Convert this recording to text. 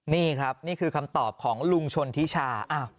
นี่ครับนี่คือคำตอบของลุงชนทิชา